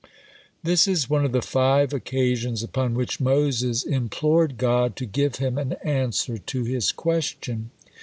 This is one of the five occasions upon which Moses implored God to give him an answer to his question.